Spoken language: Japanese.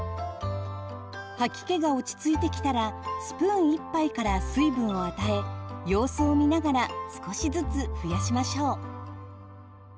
吐き気が落ち着いてきたらスプーン１杯から水分を与え様子を見ながら少しずつ増やしましょう。